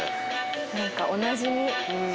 何かおなじみ。